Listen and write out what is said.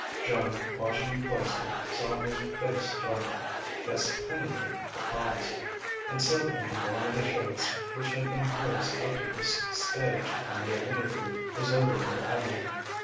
Joan, watching him closely, saw his face darken, guessed cunningly the cause. And suddenly the buoyant assurance which had been hers up to this stage in their interview deserted her utterly.